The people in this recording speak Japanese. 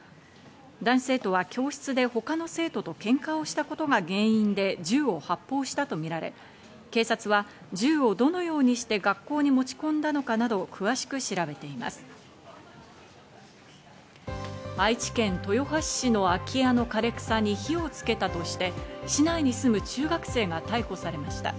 男子生徒は教室で他の生徒とケンカをしたことが原因で銃を発砲したとみられ、警察は銃をどのようにして学校に持ち込んだのかなど詳しく調べて愛知県豊橋市の空き家の枯れ草に火をつけたとして市内に住む中学生が逮捕されました。